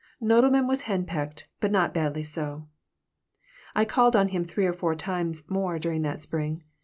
Nodelman was henpecked, but not badly so I called on them three or four times more during that spring.